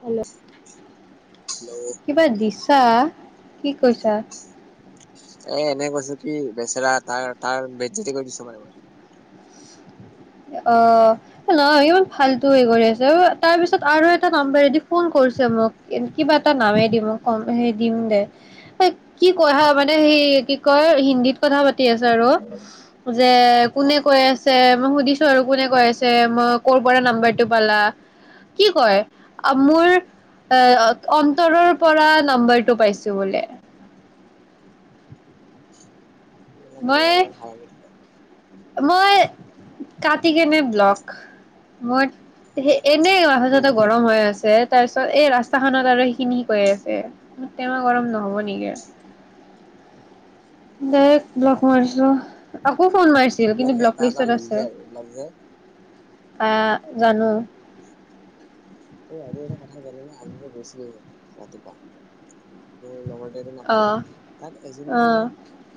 Hello, hello কিবা দিছ আ, কি কৈছা? এ, এনেক কৈছোঁ কি বেচেৰা তাৰ, তাৰ বেজতি কৰি দিছোঁ মানে মই। অ', নহ ইমান ফাল্টু হেৰি কৰি আছে, তাৰ পিছত আৰু এটা নাম্বাৰেদি ফোন কৰিছে, মোক কিবা এটা নামেদি মোক [unintelligible] দিম দে কি কয় হা মানে সেই কি কয় হিন্দীত কথা পাতি আছে আৰু যে, অ কোনে কৈ আছ চে, মই সুধি আৰু কোনে কৈ আছে, মই ক'ৰ পৰা নাম্বাৰটো পালা? কি কয় অ মোৰ এ, অন্তৰৰ পৰা নম্বাৰটো পাইছোঁ বোলে। মই [unintelligible] থাকে। মই কাটি কেনে ব্লক, মই সে এনেই উম মাথা-সাথা উম গৰম হৈ আছে! তা--ছত এই ৰাস্তাখনত আৰু সেইখিনি কই আছে টেমা গৰম নহ'ব নিকি আ। দে ব্লগ মাৰিছো আকৌ ফোন মাৰিছিল এইবিলাক কিন্তু এটা ব্লক এটা লিষ্টত আছে। লুজাৰ এইবিলাক যে অ 'জানো অ আৰু এটা কথা জানো নাই আম গৈছিলো যে ৰাতিপুৱা মোৰ লগত তাইটো নাপালে অ' তাত এজনী অ'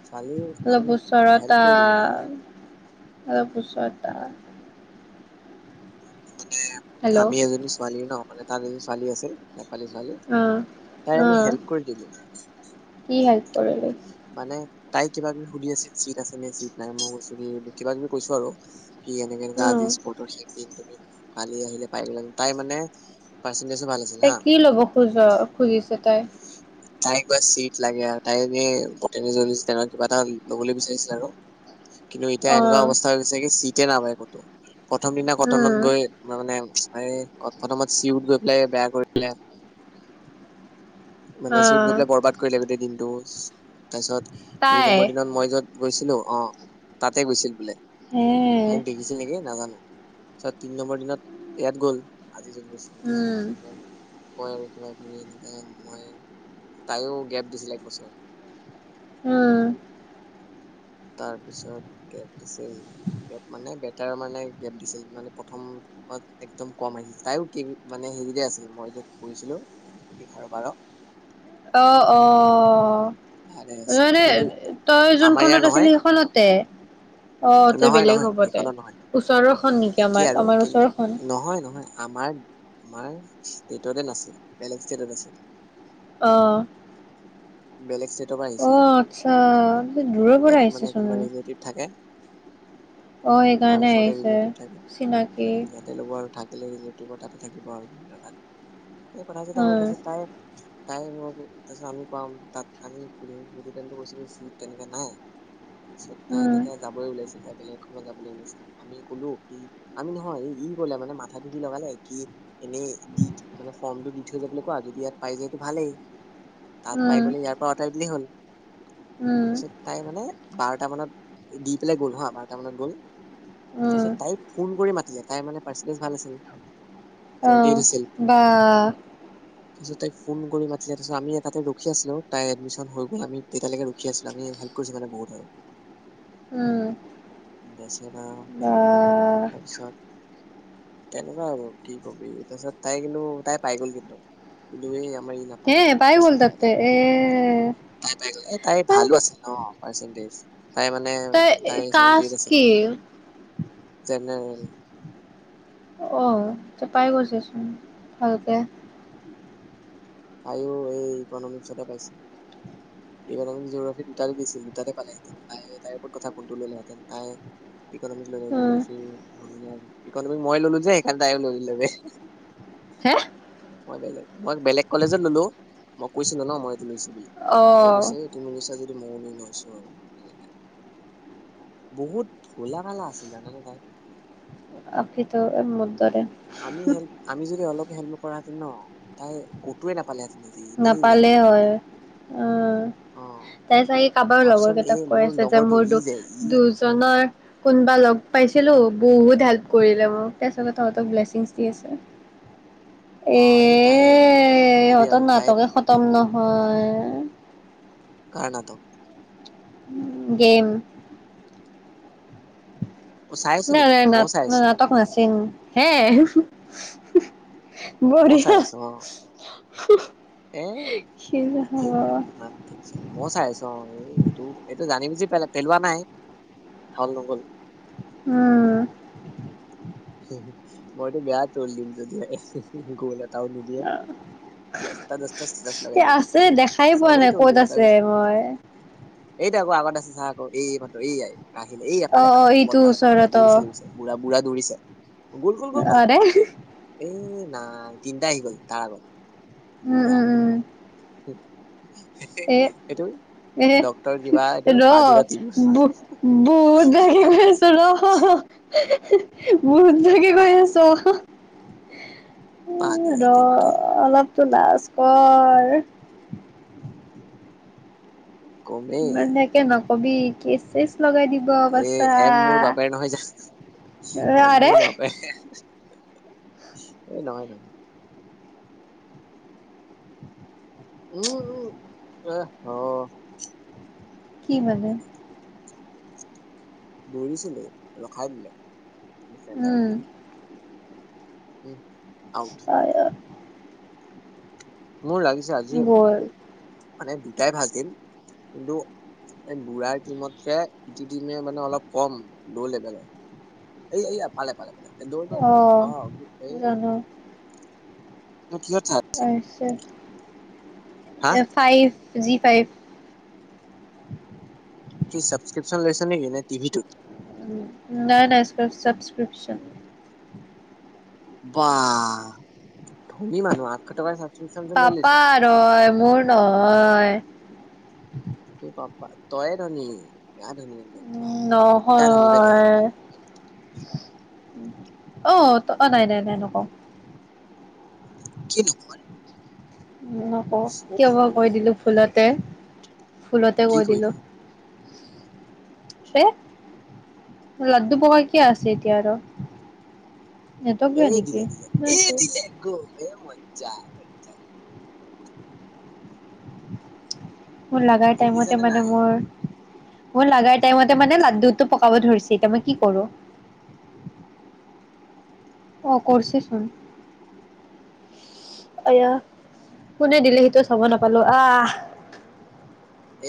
ছোৱালীৰ অলপ আমি হেল্প কৰি দিলো জানানে? অ পুছাটা মানে হেল্ল' অ' আমি এজনী ছোৱালী ন মানে তাত এজনী ছোৱালী আছিল! হালি চালি তাই আমি অ' হেল্প কৰি দিলো। কি হেল্প কৰিলি? মানে তাই কিবা কিবি সুধি আছিল চিট আছে নে চিট নাই মই কৈছো কি কিবা কিবি কৈছো আৰু সি এনেকে এনেকা আজি অ' স্পৰ্টৰ কালি আহিলে পাই গলা হেতে তাই মানে পাৰ্চেন্টেজো ভাল আছিল তাই হা কি ল'ব খোজ খুজিছে তাই তাই কিবা চিট লাগে আৰু তাই এট তে কিবা এটা লবলৈ বিচাৰিছিল আৰু কিন্তু এতিয়া এনেকুৱা অ' অৱস্থা গ হৈছে কি? কে ন ভাই ক তো। প্ৰথম দিনা উম কটনত গৈ মানে এই কতটামত চি উঠ গৈ পেলাই বেয়া কৰিলে। মানে অ' চিত গৈ পেলাই ববাদ কৰিলে গোটেই দিন। দোজ। তাৰপিছত দুই তাই নম্বৰ দিনত মই য'ত। গৈছিলো অঁ তাতে গৈছিল বোলে। হে মোক দেখিছে নেকি নাজানো। ত তিনি নম্বৰ দিনত ইয়াত গ'ল আজি যত গৈছিলো উম তাতে [inaudible] কয় আৰু কিবা কিবি এনেকে মই তাইও গেপ দিছিলে একবছৰ। উম। তাৰপিছত দিছিল ইয়াত মানে বেক তাৰ মানে গেপ দিছিল মানে প্ৰথমত একদম কম আহিছিল, তাইও কি মানে হেৰিতে আছিল মই যত পঢ়িছিলো ইঘাৰ বাৰ। অঁ অ। তাৰে আছিল মানে কিন্তু তই আমাৰ ইয়াৰ যোনখনত আছিলি নহয় সেইখনতে? অ তই নহয় বেলেগ নহয় হ'ব দে সেইখনত নহয়, ওচৰৰখন নেকি আমাৰ একেই আৰু আমাৰ কিন্তু ওচৰৰখন নহয় নহয় আমাৰ আমাৰ ষ্টেটতে নাছিল বেলেগ ষ্টেটত আছিল। অঁ। বেলেগ ষ্টেট অ', আচ্ছা দূৰৰ ইয়াত পৰা মানে আহিছেচোন। কোনোবা ৰিলেটিভ থাকে অ তাৰ সেইকাৰণে আহিছে ওচৰতেটি থাকে চিনাকি ইতে লব আৰু থাকিলে ৰিলেটিভ তা থাকিব আৰু তাত। এই কথা চথা হ'ল উম [unintelligible] তাই তাই ম তাৰপিছত আমি কাম তাত আমি সুধোতো কৈছিল চিট তেনেকে নাই। চত তাই উম তেতিয়া বেলেগ খত যাবোন আমি ক'লো আমি নহয় ই ক'লে মানে মাথাটো সি লগালে কি এনেই দি মানে ফৰ্মটো দি থৈ যাবলৈ কোৱা যদি ইয়াত পাই যায়টো ভালেই। তাত পাই উম গ'লে ইয়াৰ পৰা আঁতৰাই দিলেই হ'ল। উম তাৰপিছত তাই মানে বাৰটা মানত এ দি পেলাই গ'ল হা, বাৰটা মানত গ'ল। উম তাৰপিছত তাই ফোন কৰি মাতিলে। তাইৰ মানে পাৰ্চেণ্টেজ ভাল আছিল। চেভেন্টি অহ, এইট আছিল বা। তাৰপিছত তাইক ফোন কৰি মাতিলে তাৰপিছত আমিয়ে তাতে ৰখি আছিলোঁ, তাইৰ এডমিশন হৈ গ'ল আমি তেতিয়ালৈকে ৰখি আছিলোঁ আমি হেল্প কৰিছো মানে বহুত আৰু। উম বেচৰা, বা তাৰপিছত তেনেকুৱা আৰু কি ক'বি তাৰপিছত তাই কিন্তু তাই পাই গ'ল কিন্তু কিন্তু এই আমাৰ ই নাপালে এহ আৰু পাই গ'ল বেয়া তাতে লাগিল এহ তাই পাই গ'লে এহ তাইৰ ভালো আছিল ন পাৰ্চেন্টেজ তাই মানে তই তাইৰ চেভেণ্টি কাষ্ট এইট আছিল, কি? জেনেৰেল [inaudible] অহ, পিছত পাই গৈছেচোন ভালকে তাইয়ো এই ইকনমিক্সতে পাইছে ইকনমিক্স জিঅ'গ্ৰাফী দুটাতে দিছিল দুটাতে পালে তাই তাইৰ ওপৰত কথা কোনটো ল'লেহেঁতেন তাই ইকনমিক্স লৈ নে উম। জিঅ'গ্ৰাফী লৈ নে ইকনমিক্স মই ল'লো যে সেইকাৰণে তাইয়ো লৈ ল'লে বে হেহ মই বেলেগ, মই বেলেগ কলেজত ল'লো মই কৈছিলো ন মই লৈছো বুলি তাইয়ো অ', কৈছে তুমি লৈছা মইয়ো লৈ লৈছো আৰু এনেকে, বহুত ভোলা ভালা আছিল জানানে তাই আপিতো এহ মোৰ দৰে, আমি হুম হেল্প আমি যদি অলপ হেল্প নকৰা হেতেঁন ন তাই ক'তোৱে নাপ নাপালেই হয়, অহ অ তাই চাগে কাৰোবাৰ লগৰ ভাবচোন এই কেইটাক কৈ মোৰ আছে যে লগৰটো মোৰ ই দু যে ই দুজনৰ কোনোবা লগ পাইছিলো বহুত হেল্প কৰিলে মোক তাৰপিছতে তহঁতক ব্লেচিংছ দি আছে এ অহ এই তাই নক'বি ইহঁতৰ আৰু তাই নাটকে খতম নহয় আ কাৰ নাটক উম গেম অ চাই আছ নাই নেকি নাই ময়ো নাট চাই আছো নাটক নাছিল হে হু ময়ো চাই বঢ়িয়া, আছো অ হু এ ঠিক ম ঠিক। মই চাই আছো অ', এই এইটো এইটো জান বুজি পেলাই পেলোৱা নাই, হল নগল। উম। ম বেয়া ট্ৰল দিম যদি গল হয়। নিদিয়ে দটা দশটা এ লগাই দিম। আছে দেখাই পোৱা চবেই নাই উল ক'ত দিব আছে চাবি চোন মই এইটো আকৌ আগতে। আকৌ এই মাতো এইয়াই। আহিলে এইয়া অ পালে অ পালোলেল ইটো পালেল পাল ওচৰত অ দৌৰিছে দৌছে বঢ় বুঢ়া দৌৰিছে। গুল গুল গুল আৰে এ। নাই তিনিটা আহি গ'ল তাৰ আগত। উম', উম ', উম'। হয়। এ এ ডক্তৰ কিবা এইটো ৰ পাদুৰা টিম ভোট দখি গৈছো ৰ। ভোত দেখি গৈছো চ। উম ৰ পাদুৰা টিম খেলা অলপতো লাজ। স্কৰ। কমেই মানোকে ন কবি কেচছ চিজ। এ এম মোৰ বাপেৰ নহয় যা এম আৰে মোৰ বাপে এ নহয় নহয়। উম উম। অ। কি মানে? দৌৰিছিলো, ৰখাই দিলে। ডিফেণ্ডাৰ উম যে উম। হয় অ'। মোৰ লাগিছে আজিও গ'ল মানে দুটাই ভাল টিম। কিন্তু এই বুঢ়াৰ টিমতকে ইটো টিমে মানে অলপ কম ল' লেভেলৰ, এই এই পালে পালে পালে। দে দে অ', এ। জানো [unintelligible] হা এ ফাইভ। G five. কি চাবস্ক্ৰিপচন লৈছা নেকি? নে টিভিটোত? উম, নাই নাই, চাবস্ক্ৰিপচন। বাহ! ধনী মানুহ আঠশ টকাৰ‌ [unintelligible] পাপাৰ হয় মোৰ নহয়। [unintelligible] তোৰ পাপাৰ, তইয়ে ধনী। বেয়া ধনী একদম বা গোটা ধনী বে নহয় ত'হত। আহ, অ' নাই নাই নাই নকওঁ। কি নোকোৱান নকওঁ কিয় বা কৈ দিলো ভুলতে ভুলতে কি কৈ কৰি দিলোঁ দিলে এ লাড্ডু পকাই কিয়া আছে এতিয়া আৰু নেটৱৰ্ক এ বেয়া নেকি দিলে দিলে এ নাইতো দিলে গল এ মজা জা মোৰ লগাৰ টাইমতে দেখিছানে মানে নাই মোৰ মোৰ লগাৰ টাইমতে মানে লাড্ডুটো পকাব ধৰিছে এতিয়া মই কি কৰো অ কৰছেচোন এয়া কোনে দিলে সেইটো চাব নাপালো আহ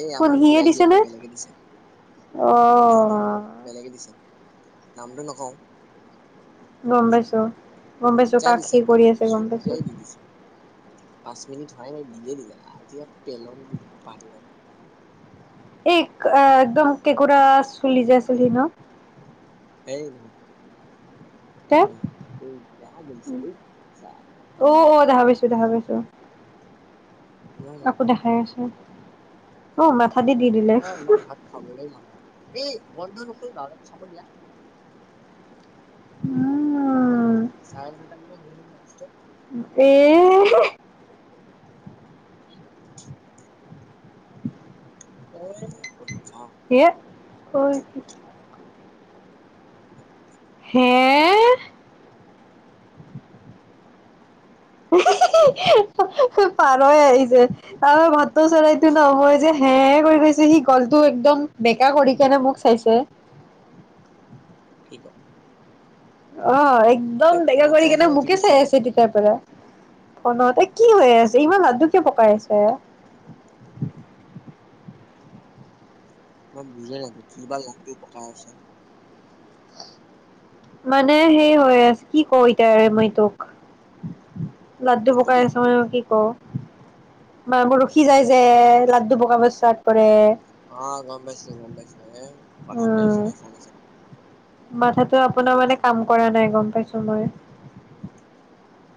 এই কোন আমাৰ সিয়ে বুঢ়াই দিছে দিয়া নে নাই বেলেগে দিছে নাই নাই বেলেগে দিছে অ নামটো নকওঁ গম পাইছো গম পাইছো মজ্জা দিছে পাখীৰ একদম পৰি আছে গম পাইছো এক মিনিট হোৱাই নাই দিয়ে দিলে আজি এয়া পেলন [unintelligible] এই একদম কেঁকোৰা চুলি যে আছিলি সি ন সেই তে নহয় অ [unintelligible] অ দেখা পাইছো নহয় [unintelligible] নহয় আকৌ দেখাই আছে। উম, মাঠা আহ ইমান ভাত খাবই মান নাই। এই বন্ধ নকৰিবা আমাক চাব দিয়া। অঁ। চাৰে নটা মানত [unintelligible] এই হ [inaudible] এ হে' হয়। হে পাৰৈ আহিছে তাৰ ভাতৌ চৰাইতটো নহয মই যে হে কৰি গৈছো সি গলটো একদম বেকা কৰি কেনে মোক চাইছে। কি ক? অঁ। একদম তই বেগা ফোনত কৰি চাই আছ কেনে নে মোকে টিভিত চাই আছ? আছে তেতিয়াৰ পৰা। ফনত, এ কি হৈ আছে ইমান লাড্ডুকে পকাই আছে? মই বুজি নাপো, কি বা লভটো পকাই আছে। মানে সেই হৈ আছে, কি কওঁ এতিয়া মই তোক। লাড্ডু পকাই নকবি। আছো, মই কি ক? মা, মোৰ ৰখি যাই যে লাড্ডু ভগাব ষ্টাৰ্ট কৰে। অ', গম পাইছোঁ, গম পাইছোঁ। [unintelligible] মাথাতো আপোনাৰ মানে কাম কৰা নাই গম পাই চময়।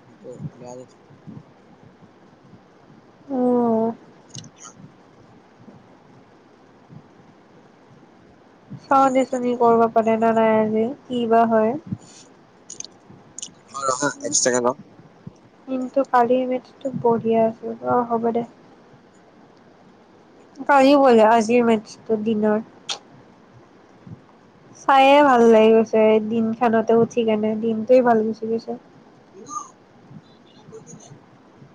অ', বেয়া লাগিছে। অ'। [inaudible] চাওঁ দেচোন সি কৰিব পাৰে নে নাই আজি। কি বা হয়। এক্সট্ৰাকে ল। কিন্তু কালি মেট টো বঢ়িয়া আছিল, হ'ব দে। কালিও বোলে আজিও মাতিছিলো দিনৰ চায়ে ভাল লাগি গৈছে দিন খানতে উঠি কেনে দিনটোৱেই ভাল গুচি গৈছে। [unintelligible]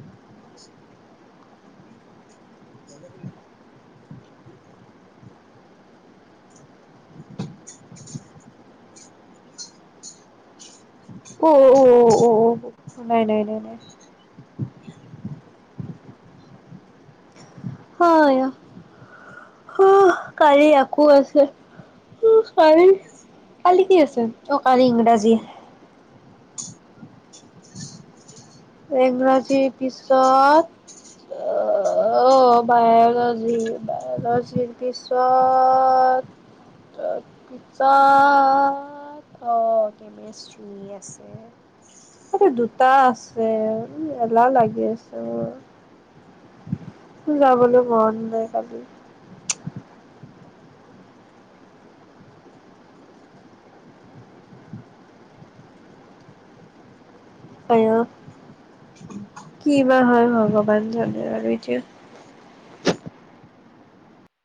[unintelligible] [unintelligible] [inaudible] ঔ নাই, নাই, নাই, নাই। এই। হয়। হ, কালি আকৌ আছে উ কালি, কালি কি আছে? অ, কালি ইংৰাজী। ইংৰাজীৰ পিছত, অ', বায়লজি, বায়লজিৰ পিছত ত পিছত অ', কেমেষ্ট্ৰি আছে, এই দুটা আছে। যে এলাহ লাগি আছে অ, যাবলৈ মন নাই কালি। হেল্ল। কি বা হয় হ ভবান জনে আৰু এতিয়া।